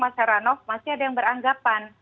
mas heranov masih ada yang beranggapan